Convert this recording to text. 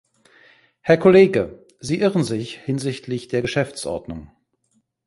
Herr Kollege, Sie irren sich hinsichtlich der Geschäftsordnung.